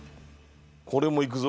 これもいくぞ。